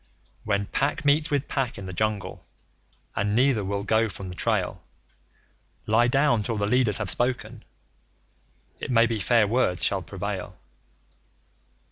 When Pack meets with Pack in the Jungle, and neither will go from the trail, Lie down till the leaders have spoken it may be fair words shall prevail.